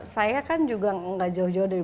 saya kan juga nggak jauh jauh dari